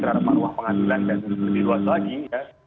terhadap ruang pengadilan dan lebih luas lagi ya